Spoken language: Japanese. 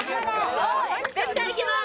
絶対いけます！